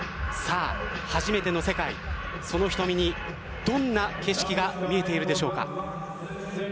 初めての世界その瞳にどんな景色が見えているでしょうか。